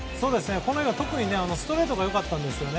この日は特にストレートが良かったですね。